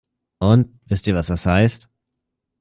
Und wisst ihr, was das heißt?